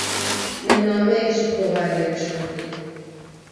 min nameyek ji kovarê re şandiye.